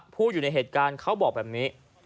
อยู่ในเหตุการณ์เขาบอกแบบนี้